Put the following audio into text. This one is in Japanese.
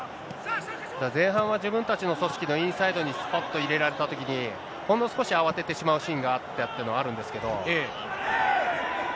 前半は自分たちの組織で、インサイドですぱっと入れられたときに、ほんの少し慌ててしまうシーンがあるんですけど。